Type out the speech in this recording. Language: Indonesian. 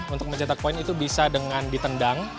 untuk mencetak poin itu bisa dengan ditendang